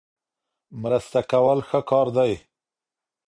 مرسته کول ښه کار دی.